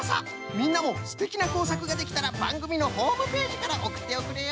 みんなもすてきなこうさくができたらばんぐみのホームページからおくっておくれよ。